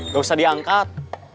gak usah diangkat